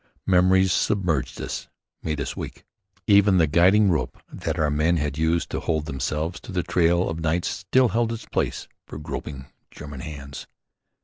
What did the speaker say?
Memories submerged us and made us weak. Even the guiding rope that our men had used to hold themselves to the trail of nights still held its place for groping German hands.